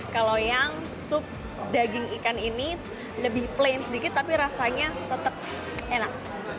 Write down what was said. kalau yang sup daging ikan ini lebih plain sedikit tapi rasanya tetap enak